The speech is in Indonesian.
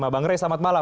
bang ray selamat malam